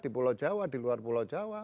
di pulau jawa di luar pulau jawa